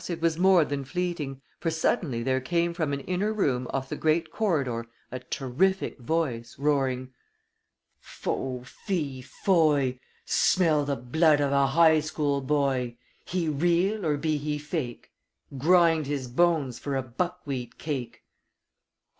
it was more than fleeting, for suddenly there came from an inner room off the great corridor a terrific voice, roaring: "FEE FO FI FOY! I SMELL THE BLOOD OF A HIGH SCHOOL BOY. BE HE REAL OR BE HE FAKE I'LL GRIND HIS BONES FOR A BUCKWHEAT CAKE."